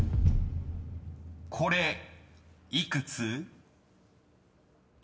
［これ幾つ？］